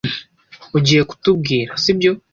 Ugiye kutubwira, sibyo?